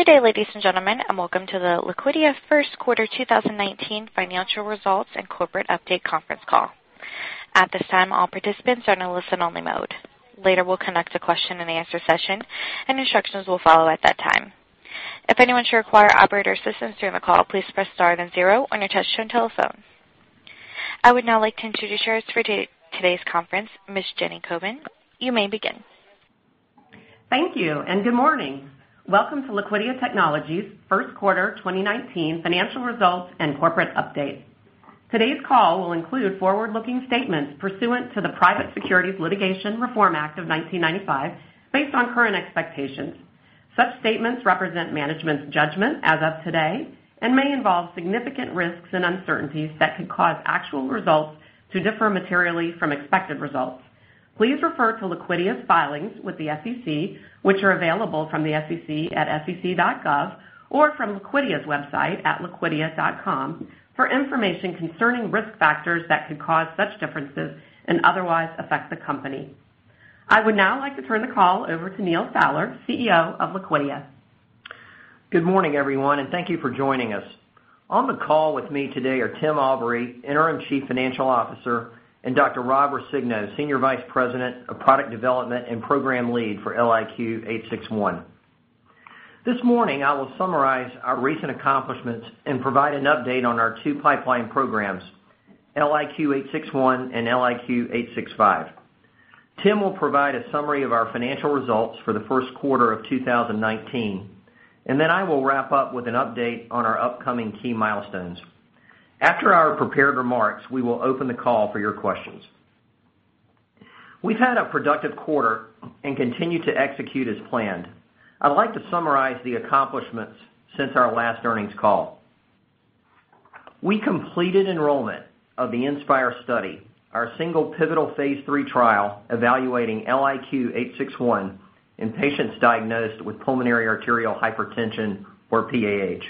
Good day, ladies and gentlemen, and welcome to the Liquidia first quarter 2019 financial results and corporate update conference call. At this time, all participants are in a listen-only mode. Later, we'll conduct a question and answer session, and instructions will follow at that time. If anyone should require operator assistance during the call, please press star then zero on your touch-tone telephone. I would now like to introduce you to today's conference, Ms. Jenny Coven. You may begin. Thank you, and good morning. Welcome to Liquidia Technologies' first quarter 2019 financial results and corporate update. Today's call will include forward-looking statements pursuant to the Private Securities Litigation Reform Act of 1995, based on current expectations. Such statements represent management's judgment as of today and may involve significant risks and uncertainties that could cause actual results to differ materially from expected results. Please refer to Liquidia's filings with the SEC, which are available from the SEC at sec.gov or from Liquidia's website at liquidia.com, for information concerning risk factors that could cause such differences and otherwise affect the company. I would now like to turn the call over to Neal Fowler, CEO of Liquidia. Good morning, everyone, and thank you for joining us. On the call with me today are Timothy Albury, Interim Chief Financial Officer, and Dr. Robert Roscigno, Senior Vice President of Product Development and program lead for LIQ861. This morning, I will summarize our recent accomplishments and provide an update on our two pipeline programs, LIQ861 and LIQ865. Tim will provide a summary of our financial results for the first quarter of 2019, and then I will wrap up with an update on our upcoming key milestones. After our prepared remarks, we will open the call for your questions. We've had a productive quarter and continue to execute as planned. I'd like to summarize the accomplishments since our last earnings call. We completed enrollment of the INSPIRE study, our single pivotal phase III trial evaluating LIQ861 in patients diagnosed with pulmonary arterial hypertension, or PAH.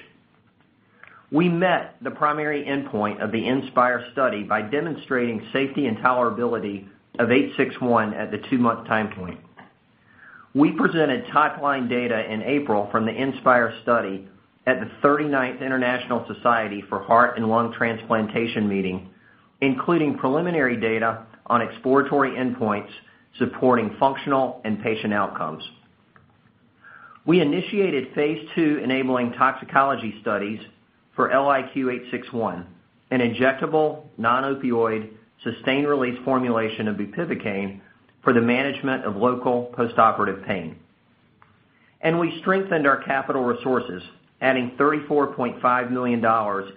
We met the primary endpoint of the INSPIRE study by demonstrating safety and tolerability of 861 at the two-month time point. We presented top-line data in April from the INSPIRE study at the 39th International Society for Heart and Lung Transplantation meeting, including preliminary data on exploratory endpoints supporting functional and patient outcomes. We initiated phase II-enabling toxicology studies for LIQ861, an injectable, non-opioid, sustained-release formulation of bupivacaine for the management of local postoperative pain. We strengthened our capital resources, adding $34.5 million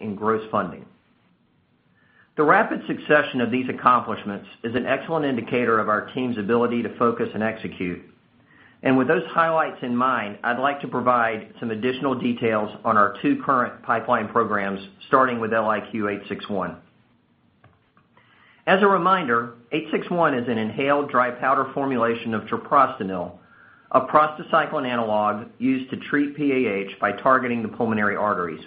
in gross funding. The rapid succession of these accomplishments is an excellent indicator of our team's ability to focus and execute. With those highlights in mind, I'd like to provide some additional details on our two current pipeline programs, starting with LIQ861. As a reminder, 861 is an inhaled dry powder formulation of treprostinil, a prostacyclin analog used to treat PAH by targeting the pulmonary arteries.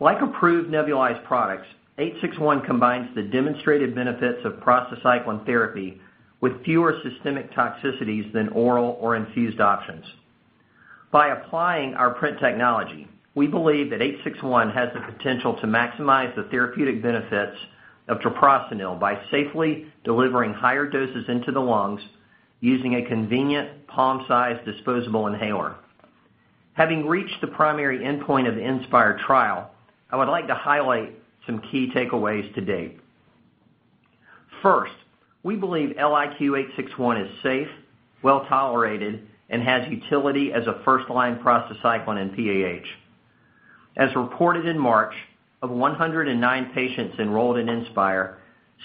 Like approved nebulized products, 861 combines the demonstrated benefits of prostacyclin therapy with fewer systemic toxicities than oral or infused options. By applying our PRINT technology, we believe that 861 has the potential to maximize the therapeutic benefits of treprostinil by safely delivering higher doses into the lungs using a convenient palm-sized disposable inhaler. Having reached the primary endpoint of the INSPIRE trial, I would like to highlight some key takeaways to date. First, we believe LIQ861 is safe, well-tolerated, and has utility as a first-line prostacyclin in PAH. As reported in March, of 109 patients enrolled in INSPIRE,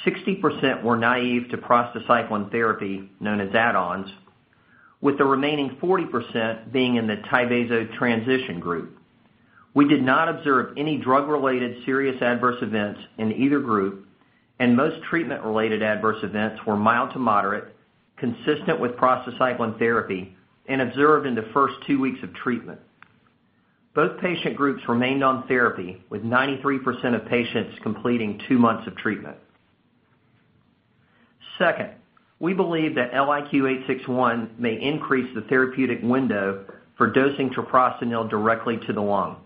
60% were naive to prostacyclin therapy, known as add-ons, with the remaining 40% being in the TYVASO transition group. We did not observe any drug-related serious adverse events in either group, and most treatment-related adverse events were mild to moderate, consistent with prostacyclin therapy, and observed in the first two weeks of treatment. Both patient groups remained on therapy, with 93% of patients completing two months of treatment. Second, we believe that LIQ861 may increase the therapeutic window for dosing treprostinil directly to the lung.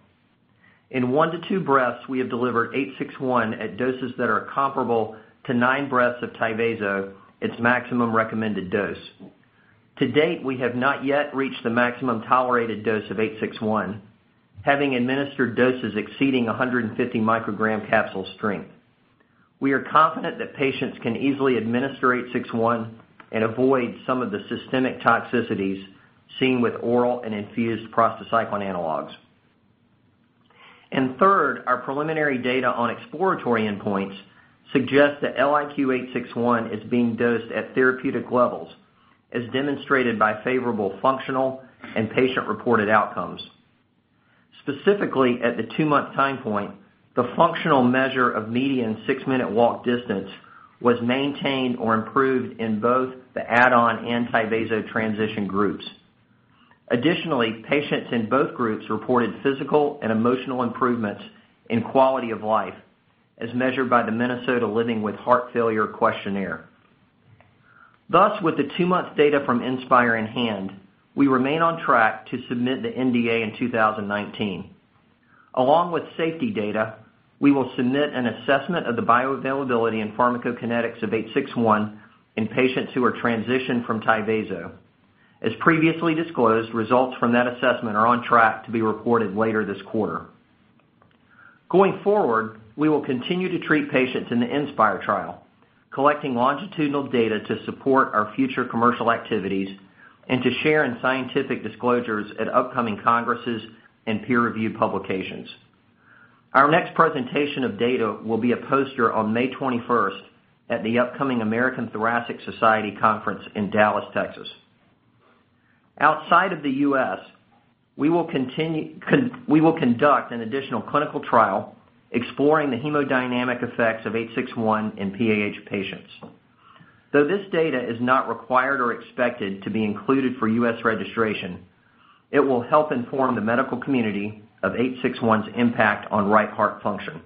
In one to two breaths, we have delivered 861 at doses that are comparable to nine breaths of TYVASO, its maximum recommended dose. To date, we have not yet reached the maximum tolerated dose of 861, having administered doses exceeding 150 microgram capsule strength. We are confident that patients can easily administer 861 and avoid some of the systemic toxicities seen with oral and infused prostacyclin analogs. Third, our preliminary data on exploratory endpoints suggest that LIQ861 is being dosed at therapeutic levels, as demonstrated by favorable functional and patient-reported outcomes. Specifically, at the two-month time point, the functional measure of median six-minute walk distance was maintained or improved in both the add-on and TYVASO transition groups. Additionally, patients in both groups reported physical and emotional improvements in quality of life, as measured by the Minnesota Living with Heart Failure Questionnaire. Thus, with the two-month data from INSPIRE in hand, we remain on track to submit the NDA in 2019. Along with safety data, we will submit an assessment of the bioavailability and pharmacokinetics of 861 in patients who are transitioned from TYVASO. As previously disclosed, results from that assessment are on track to be reported later this quarter. Going forward, we will continue to treat patients in the INSPIRE trial, collecting longitudinal data to support our future commercial activities and to share in scientific disclosures at upcoming congresses and peer-review publications. Our next presentation of data will be a poster on May 21st at the upcoming American Thoracic Society Conference in Dallas, Texas. Outside of the U.S., we will conduct an additional clinical trial exploring the hemodynamic effects of 861 in PAH patients. Though this data is not required or expected to be included for U.S. registration, it will help inform the medical community of 861's impact on right heart function.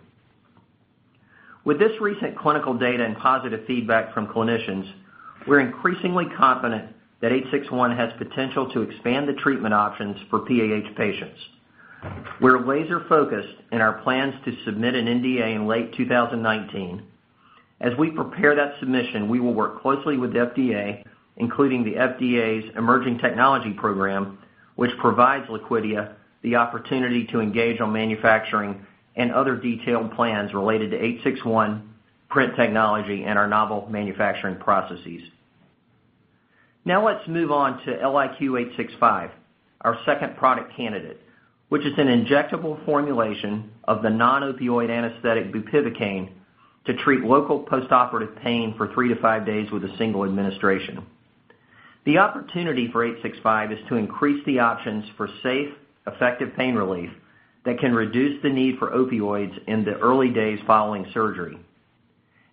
With this recent clinical data and positive feedback from clinicians, we're increasingly confident that 861 has potential to expand the treatment options for PAH patients. We're laser-focused in our plans to submit an NDA in late 2019. As we prepare that submission, we will work closely with the FDA, including the FDA's Emerging Technology Program, which provides Liquidia the opportunity to engage on manufacturing and other detailed plans related to 861 PRINT technology and our novel manufacturing processes. Let's move on to LIQ865, our second product candidate, which is an injectable formulation of the non-opioid anesthetic bupivacaine to treat local postoperative pain for three to five days with a single administration. The opportunity for 865 is to increase the options for safe, effective pain relief that can reduce the need for opioids in the early days following surgery.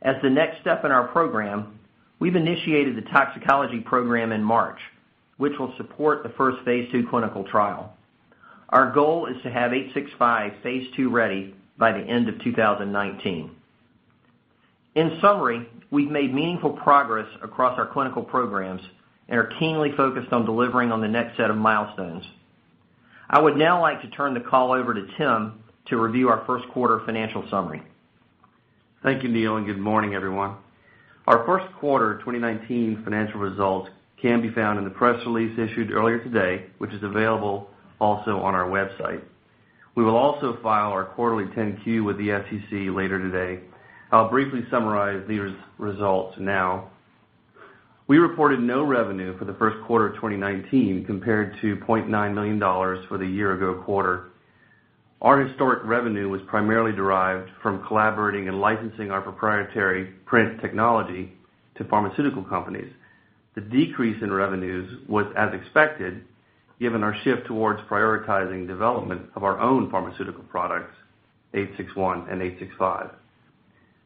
As the next step in our program, we've initiated the toxicology program in March, which will support the first phase II clinical trial. Our goal is to have 865 phase II ready by the end of 2019. In summary, we've made meaningful progress across our clinical programs and are keenly focused on delivering on the next set of milestones. I would now like to turn the call over to Tim to review our first quarter financial summary. Thank you, Neal, good morning, everyone. Our first quarter 2019 financial results can be found in the press release issued earlier today, which is available also on our website. We will also file our quarterly 10-Q with the SEC later today. I'll briefly summarize these results now. We reported no revenue for the first quarter of 2019 compared to $2.9 million for the year ago quarter. Our historic revenue was primarily derived from collaborating and licensing our proprietary PRINT technology to pharmaceutical companies. The decrease in revenues was as expected, given our shift towards prioritizing development of our own pharmaceutical products, 861 and 865.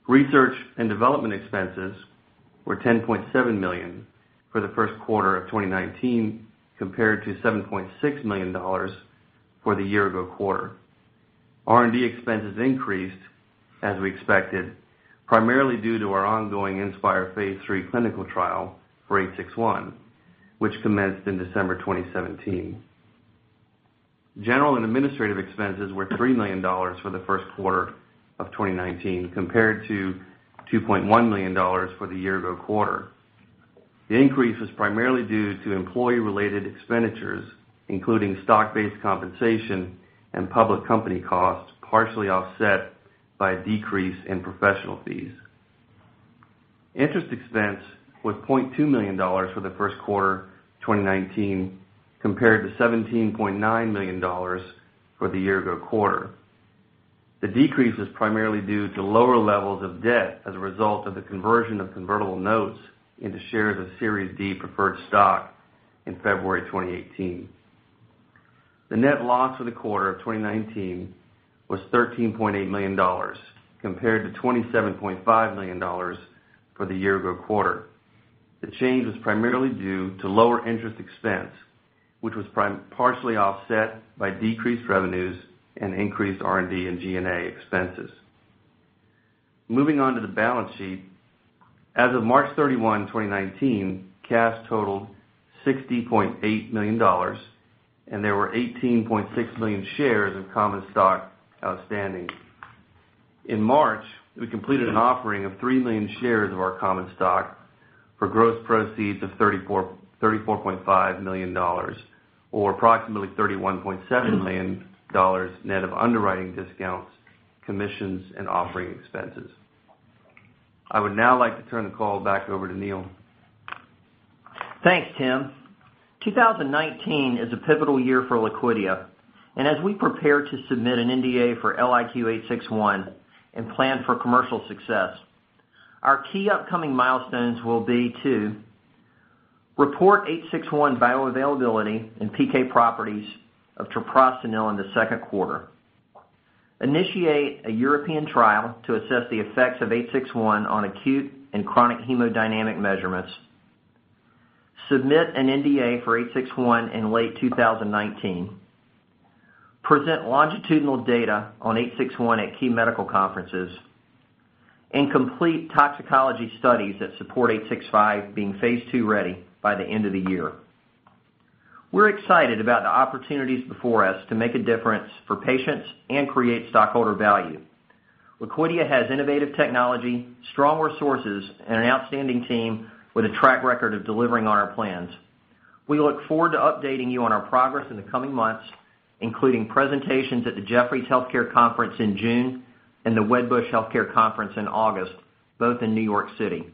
Research and development expenses were $10.7 million for the first quarter of 2019, compared to $7.6 million for the year ago quarter. R&D expenses increased, as we expected, primarily due to our ongoing INSPIRE phase III clinical trial for 861, which commenced in December 2017. General and administrative expenses were $3 million for the first quarter of 2019, compared to $2.1 million for the year ago quarter. The increase was primarily due to employee-related expenditures, including stock-based compensation and public company costs, partially offset by a decrease in professional fees. Interest expense was $20.2 million for the first quarter of 2019, compared to $17.9 million for the year ago quarter. The decrease was primarily due to lower levels of debt as a result of the conversion of convertible notes into shares of Series D preferred stock in February 2018. The net loss for the quarter of 2019 was $13.8 million, compared to $27.5 million for the year ago quarter. The change was primarily due to lower interest expense, which was partially offset by decreased revenues and increased R&D and G&A expenses. Moving on to the balance sheet. As of March 31, 2019, cash totaled $60.8 million. There were 18.6 million shares of common stock outstanding. In March, we completed an offering of 3 million shares of our common stock for gross proceeds of $34.5 million, or approximately $31.7 million net of underwriting discounts, commissions, and offering expenses. I would now like to turn the call back over to Neal. Thanks, Tim. 2019 is a pivotal year for Liquidia. As we prepare to submit an NDA for LIQ861 and plan for commercial success, our key upcoming milestones will be to report LIQ861 bioavailability and PK properties of treprostinil in the second quarter, initiate a European trial to assess the effects of LIQ861 on acute and chronic hemodynamic measurements, submit an NDA for LIQ861 in late 2019. Present longitudinal data on LIQ861 at key medical conferences and complete toxicology studies that support LIQ865 being phase II-ready by the end of the year. We're excited about the opportunities before us to make a difference for patients and create stockholder value. Liquidia has innovative technology, strong resources, and an outstanding team with a track record of delivering on our plans. We look forward to updating you on our progress in the coming months, including presentations at the Jefferies Healthcare conference in June and the Wedbush Healthcare conference in August, both in New York City.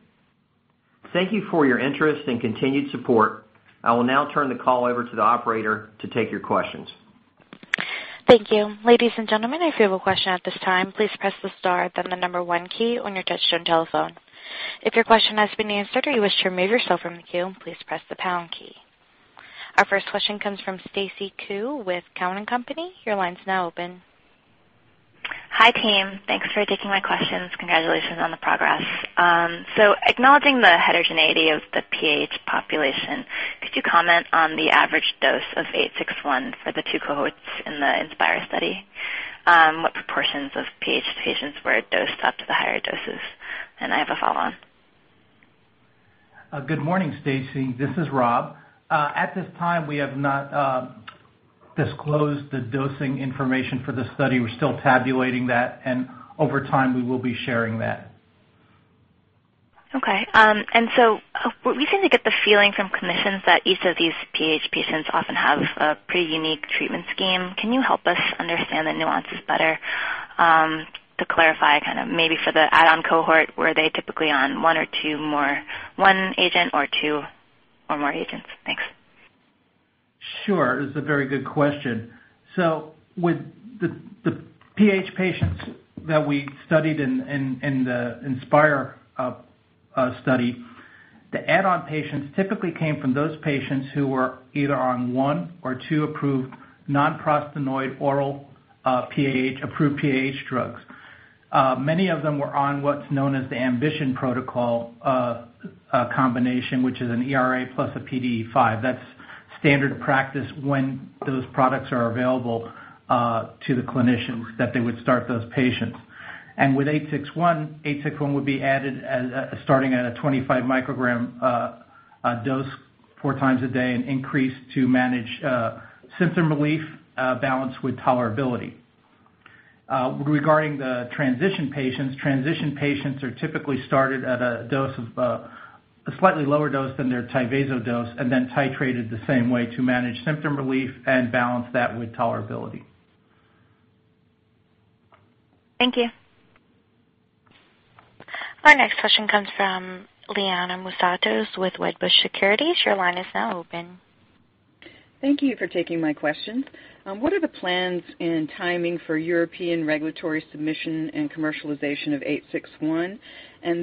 Thank you for your interest and continued support. I will now turn the call over to the operator to take your questions. Thank you. Ladies and gentlemen, if you have a question at this time, please press the star, then the 1 key on your touch-tone telephone. If your question has been answered or you wish to remove yourself from the queue, please press the pound key. Our first question comes from Stacy Ku with Cowen and Company. Your line's now open. Hi, team. Thanks for taking my questions. Congratulations on the progress. Acknowledging the heterogeneity of the PAH population, could you comment on the average dose of 861 for the two cohorts in the INSPIRE study? What proportions of PAH patients were dosed up to the higher doses? I have a follow-on. Good morning, Stacy. This is Rob. At this time, we have not disclosed the dosing information for the study. We're still tabulating that. Over time we will be sharing that. Okay. We seem to get the feeling from clinicians that each of these PAH patients often have a pretty unique treatment scheme. Can you help us understand the nuances better? To clarify, maybe for the add-on cohort, were they typically on one agent or two or more agents? Thanks. Sure. It's a very good question. With the PAH patients that we studied in the INSPIRE study, the add-on patients typically came from those patients who were either on one or two approved non-prostanoid oral approved PAH drugs. Many of them were on what's known as the AMBITION protocol combination, which is an ERA plus a PDE5. That's standard practice when those products are available to the clinicians that they would start those patients. With 861 would be added as starting at a 25 microgram dose four times a day and increased to manage symptom relief balanced with tolerability. Regarding the transition patients, transition patients are typically started at a slightly lower dose than their TYVASO dose. Then titrated the same way to manage symptom relief and balance that with tolerability. Thank you. Our next question comes from Liana Moussatos with Wedbush Securities. Your line is now open. Thank you for taking my questions. What are the plans and timing for European regulatory submission and commercialization of LIQ861?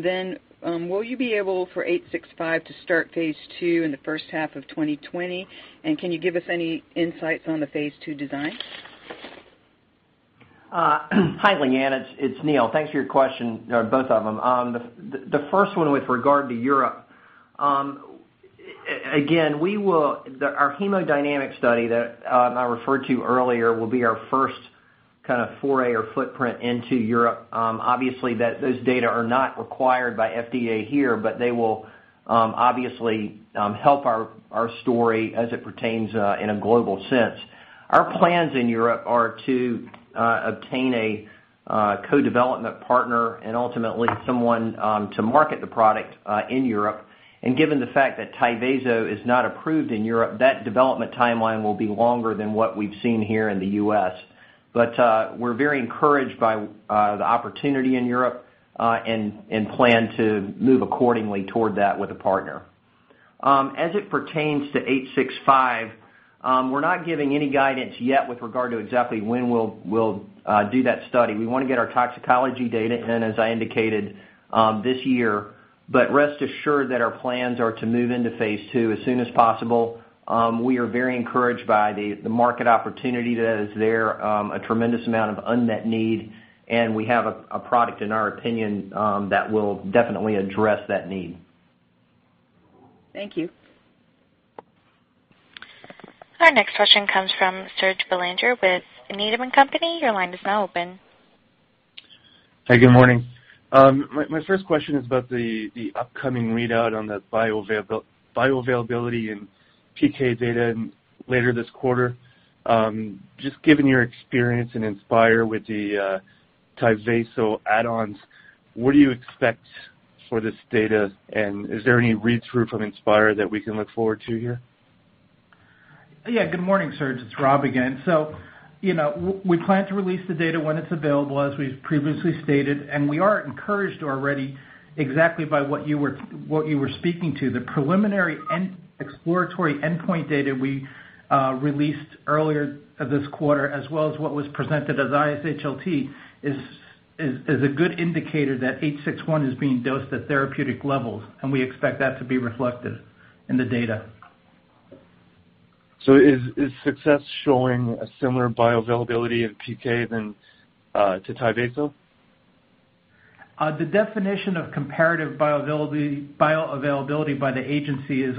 Then, will you be able for LIQ865 to start phase II in the first half of 2020? Can you give us any insights on the phase II design? Hi, Liana, it's Neal. Thanks for your question, both of them. The first one with regard to Europe. Again, our hemodynamic study that I referred to earlier will be our first kind of foray or footprint into Europe. Obviously those data are not required by FDA here, but they will obviously help our story as it pertains in a global sense. Our plans in Europe are to obtain a co-development partner and ultimately someone to market the product in Europe. Given the fact that TYVASO is not approved in Europe, that development timeline will be longer than what we've seen here in the U.S. We're very encouraged by the opportunity in Europe, and plan to move accordingly toward that with a partner. As it pertains to LIQ865, we're not giving any guidance yet with regard to exactly when we'll do that study. We want to get our toxicology data in, as I indicated, this year. Rest assured that our plans are to move into phase II as soon as possible. We are very encouraged by the market opportunity that is there, a tremendous amount of unmet need, and we have a product, in our opinion, that will definitely address that need. Thank you. Our next question comes from Serge Belanger with Needham & Company. Your line is now open. Hey, good morning. My first question is about the upcoming readout on the bioavailability and PK data later this quarter. Just given your experience in INSPIRE with the TYVASO add-ons, what do you expect for this data, and is there any read-through from INSPIRE that we can look forward to here? Yeah. Good morning, Serge. It's Rob again. We plan to release the data when it's available, as we've previously stated, and we are encouraged already exactly by what you were speaking to. The preliminary exploratory endpoint data we released earlier this quarter, as well as what was presented at ISHLT, is a good indicator that 861 is being dosed at therapeutic levels, and we expect that to be reflected in the data. Is success showing a similar bioavailability of PK to TYVASO? The definition of comparative bioavailability by the agency is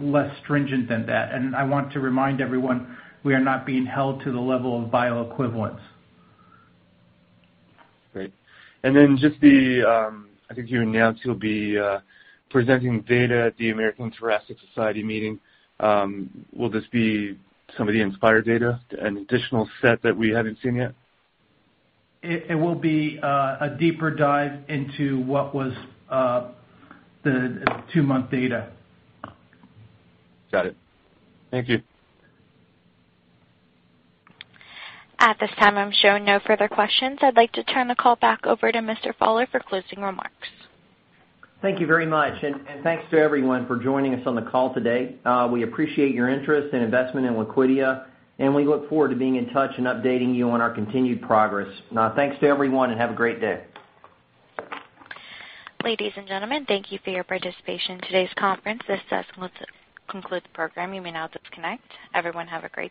less stringent than that, and I want to remind everyone, we are not being held to the level of bioequivalence. Great. I think you announced you'll be presenting data at the American Thoracic Society meeting. Will this be some of the INSPIRE data? An additional set that we haven't seen yet? It will be a deeper dive into what was the two-month data. Got it. Thank you. At this time, I'm showing no further questions. I'd like to turn the call back over to Mr. Fowler for closing remarks. Thank you very much, and thanks to everyone for joining us on the call today. We appreciate your interest and investment in Liquidia, and we look forward to being in touch and updating you on our continued progress. Now thanks to everyone and have a great day. Ladies and gentlemen, thank you for your participation in today's conference. This does conclude the program. You may now disconnect. Everyone have a great day.